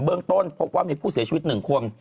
เรื่องต้นพบว่ามีผู้เสียชีวิต๑คน